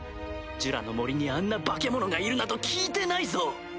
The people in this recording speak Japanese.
ジュラの森にあんな化け物がいるなど聞いてないぞ！